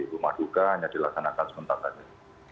rumah duka hanya dilaksanakan sebentar saja